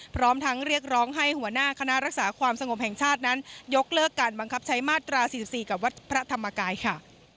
พร้อมทั้งเรียกร้องให้หัวหน้าคณะรักษาความสงบแห่งชาตินั้นยกเลิกการบังคับใช้มาตรา๔๔กับวัดพระธรรมกายค่ะ